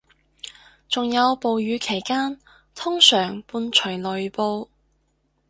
仲有暴雨期間通常伴隨雷暴